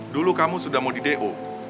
dulu kamu sudah mau di d u